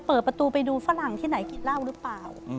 เปิดประตูไปดูฝรั่งที่ไหนกินเหล้าหรือเปล่า